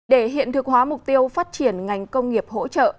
để hiện thực hóa mục tiêu phát triển ngành công nghiệp hỗ trợ